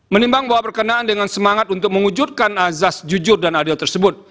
menimbang bahwa perkenaan dengan semangat untuk mewujudkan azas jujur dan adil tersebut